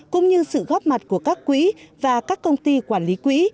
cũng như sự góp mặt của các quỹ và các công ty quản lý quỹ